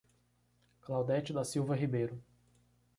Claudete da Silva Ribeiro